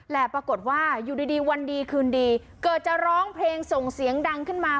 และปรากฏว่าอยู่ดีวันดีคืนดีเกิดจะร้องเพลงส่งเสียงดังขึ้นมา